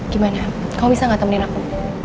gimana kamu bisa gak temenin aku